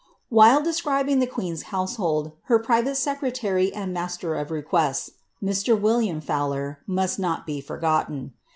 While describing the queen's household, her private secretary and master of requests, Mr. William Fowler,^ must not be forgotten.